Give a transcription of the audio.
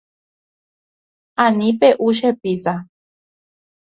Ani pe’u che pizza.